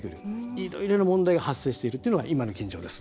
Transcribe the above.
いろいろな問題が発生しているのが今の現状です。